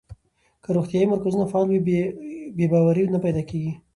که روغتیايي مرکزونه فعال وي، بې باوري نه پیدا کېږي.